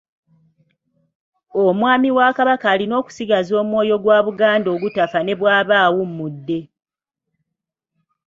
Omwami wa Kabaka alina okusigaza omwoyo gwa Buganda ogutafa ne bw'aba awummudde.